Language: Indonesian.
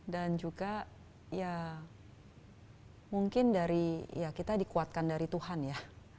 dan juga ya mungkin dari ya kita dikuatkan dari tuhan ya